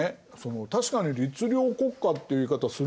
確かに律令国家っていう言い方するんだけど